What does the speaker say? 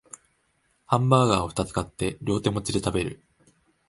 ハンバーガーをふたつ買って両手持ちで食べる